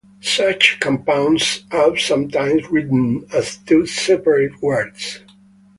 Such compounds are sometimes written as two separate words.